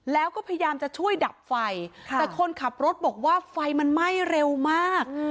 แล้วก็พยายามจะช่วยดับไฟแต่คนขับรถบอกว่าไฟมันไหม้เร็วมาก